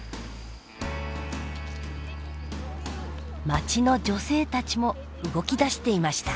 町の女性たちも動き出していました。